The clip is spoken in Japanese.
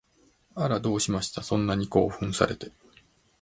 あら、どうしました？そんなに興奮されて